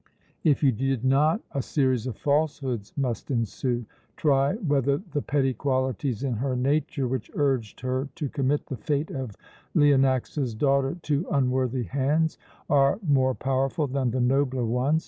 "If you did not, a series of falsehoods must ensue. Try whether the petty qualities in her nature, which urged her to commit the fate of Leonax's daughter to unworthy hands, are more powerful than the nobler ones.